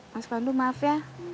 mas pandu maaf ya